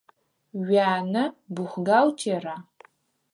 Уянэ бухгалтера?